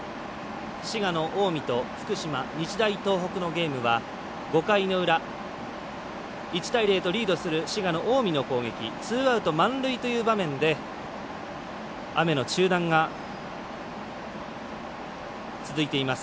滋賀の近江と福島、日大東北のゲームは５回の裏、１対０とリードする滋賀の近江の攻撃ツーアウト満塁という場面で雨の中断が続いています。